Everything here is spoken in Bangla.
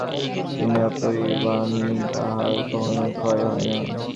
তিনি অপরিণামী, তাঁহার কখনও ক্ষয় হয় না।